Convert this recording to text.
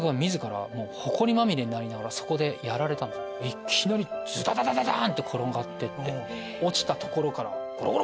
いきなりズダダダダン！って転がって落ちたところからゴロゴロ！